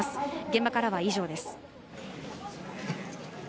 現場からは以上です。